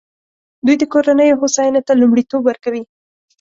دوی د کورنیو هوساینې ته لومړیتوب ورکوي.